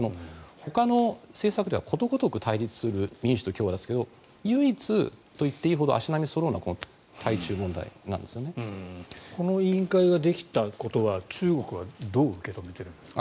ほかの政策ではことごとく対立する民主と共和ですが唯一、足並みがそろうのがこの委員会ができたことは中国はどう受け止めているんですか？